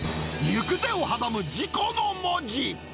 行く手を阻む事故の文字。